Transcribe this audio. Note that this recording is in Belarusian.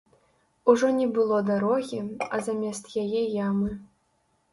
Ужо не было дарогі, а замест яе ямы.